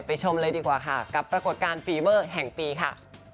ชมเลยดีกว่าค่ะกับปรากฏการณ์ฟีเมอร์แห่งปีค่ะ